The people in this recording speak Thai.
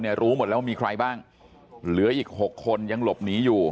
เนี่ยรู้หมดแล้วมีใครบ้างเหลืออีก๖คนยังหลบหนีอยู่